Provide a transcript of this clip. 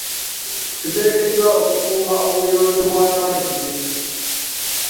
Tuteekeddwa okukuuma obuyonjo bw'amazzi.